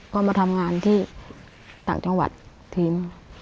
ก็มาทำงานที่ต่างจังหวัดทีม